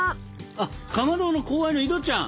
あかまどの後輩の井戸ちゃん。